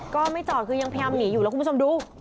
ก็ไม่จอดคือยังพยายามหนีอยู่แล้วคุณผู้ชมดู